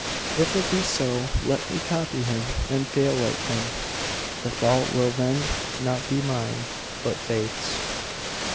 If it be so, let me copy him, and fail like him. The fault will then not be mine, but fate's.